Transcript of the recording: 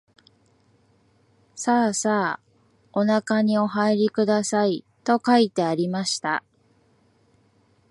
さあさあおなかにおはいりください、と書いてありました